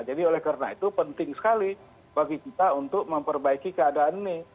jadi oleh karena itu penting sekali bagi kita untuk memperbaiki keadaan ini